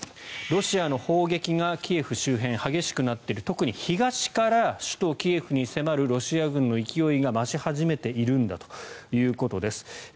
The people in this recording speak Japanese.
ロシアの砲撃がキエフ周辺激しくなっている特に東から首都キエフに迫るロシア軍の勢いが増し始めているんだということです。